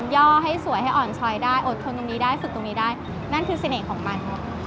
่อให้สวยให้อ่อนชอยได้อดทนตรงนี้ได้ฝึกตรงนี้ได้นั่นคือเสน่ห์ของมัน